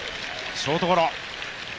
ショートゴロ。